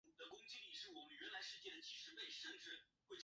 欧米加镇区是位于美国阿肯色州卡罗尔县的一个行政镇区。